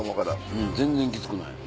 うん全然きつくない。